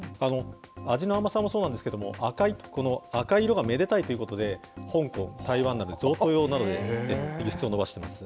味の甘さもそうなんですけれども、赤色がめでたいということで、香港、台湾など、贈答用などで輸出を伸ばしています。